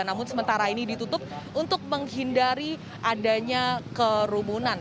namun sementara ini ditutup untuk menghindari adanya kerumunan